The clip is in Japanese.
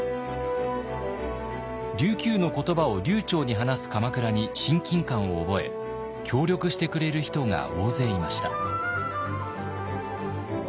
琉球の言葉を流ちょうに話す鎌倉に親近感を覚え協力してくれる人が大勢いました。